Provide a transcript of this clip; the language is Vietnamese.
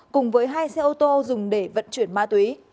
cùng với hai xe ô tô dùng để vận chuyển ma túy